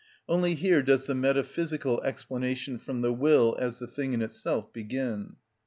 Only here does the metaphysical explanation from the will as the thing in itself begin.